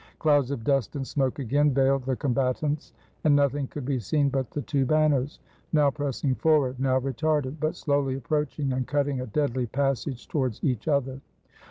Clouds of dust and smoke again veiled the combat ants, and nothing could be seen but the two banners — now pressing forward, now retarded, but slowly ap proaching, and cutting a deadly passage towards each other.